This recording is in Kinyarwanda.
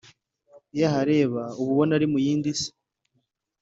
Iyo uhareba uba ubona ari mu yindi si